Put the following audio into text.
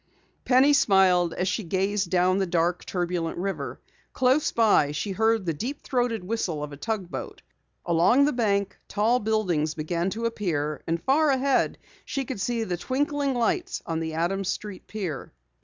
Penny smiled as she gazed down the dark, turbulent river. Close by she heard the deep throated whistle of a tug boat. Along the bank, tall buildings began to appear, and far ahead, she could see the twinkling lights on the Adams Street pier.